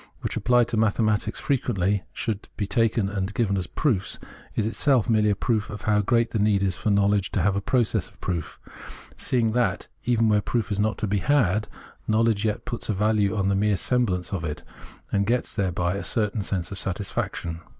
which applied mathematics fre Preface 43 quently gives, should be taken and given as proofs, is itself merely a proof of how great the need is for know ledge to have a process of proof, seeing that, even where proof is not to be had, knowledge yet puts a value on the mere semblance of it, and gets thereby a certain sense of satisfaction.